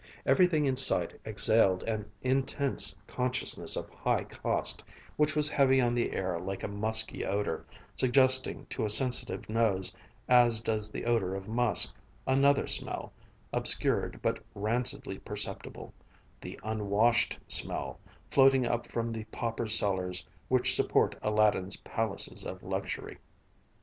Everything in sight exhaled an intense consciousness of high cost, which was heavy on the air like a musky odor, suggesting to a sensitive nose, as does the odor of musk, another smell, obscured but rancidly perceptible the unwashed smell, floating up from the paupers' cellars which support Aladdin's palaces of luxury.